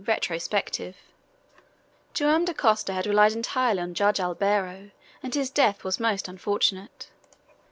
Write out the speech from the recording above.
RETROSPECTIVE Joam Dacosta had relied entirely on Judge Albeiro, and his death was most unfortunate.